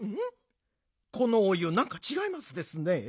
このお湯なんかちがいますですね。